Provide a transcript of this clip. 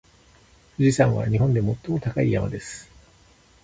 富士山は日本で最も高い山です。